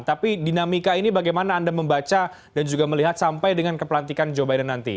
tapi dinamika ini bagaimana anda membaca dan juga melihat sampai dengan kepelantikan joe biden nanti